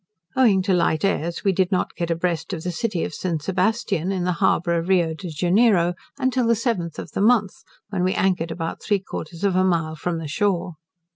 Owing to light airs we did not get a breast of the city of St. Sebastian, in the harbour of Rio de Janeiro, until the 7th of the month, when we anchored about three quarters of a mile from the shore.